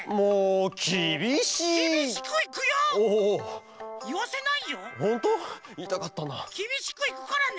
きびしくいくからね！